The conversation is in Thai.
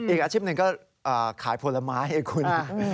อีกอาชีพหนึ่งก็ขายผลไม้ไอ้คุณ